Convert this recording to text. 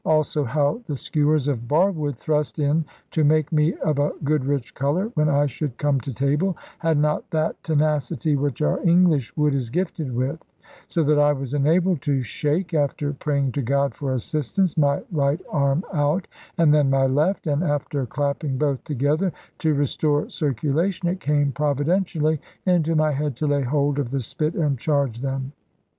Also how the skewers of bar wood thrust in to make me of a good rich colour, when I should come to table, had not that tenacity which our English wood is gifted with; so that I was enabled to shake (after praying to God for assistance) my right arm out, and then my left; and after clapping both together (to restore circulation), it came providentially into my head to lay hold of the spit and charge them.